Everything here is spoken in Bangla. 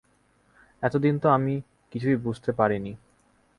এতদিন তো আমি কিছুই বুঝতে পারি নি।